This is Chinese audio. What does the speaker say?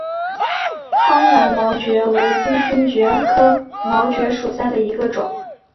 苍南毛蕨为金星蕨科毛蕨属下的一个种。